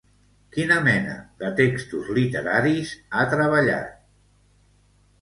Quina mena de textos literaris ha treballat?